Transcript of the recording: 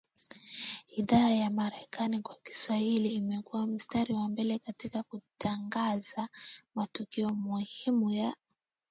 idhaa ya Amerika kwa Kiswahili imekua mstari wa mbele katika kutangaza matukio muhimu ya